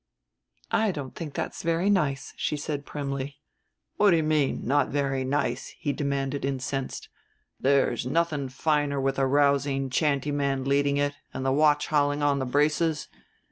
"_ "I don't think that's very nice," she said primly. "What do you mean not very nice?" he demanded, incensed. "There's nothing finer with a rousing chanteyman leading it and the watch hauling on the braces.